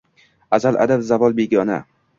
Аzal adab zavol begona!